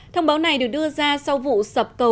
thông báo này được đưa ra sau vụ sập cầu